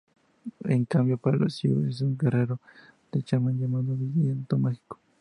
En cambio para los Sioux es un guerrero y un chamán llamado "Viento Mágico".